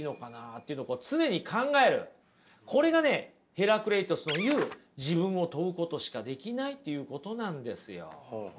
ヘラクレイトスの言う自分を問うことしかできないっていうことなんですよ。